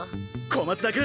小松田君！